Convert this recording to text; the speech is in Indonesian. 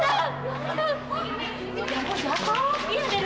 bagaimana kamu menggoda kami